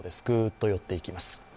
ぐっと寄っていきます。